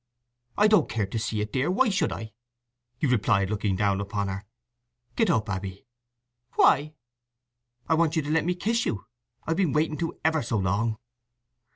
"I don't care to see it, dear: why should I?" he replied looking down upon her. "Get up, Abby." "Why?" "I want you to let me kiss you. I've been waiting to ever so long!"